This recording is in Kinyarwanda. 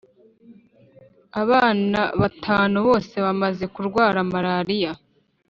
Abana batanu bose bamaze kurwara marariya